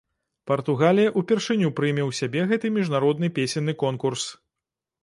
Партугалія ўпершыню прыме ў сябе гэты міжнародны песенны конкурс.